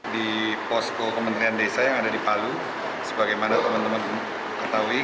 di posko kementerian desa yang ada di palu sebagaimana teman teman mengetahui kementerian desa